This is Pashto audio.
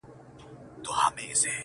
جنونه اوس مي پښو ته زولنې لرې که نه,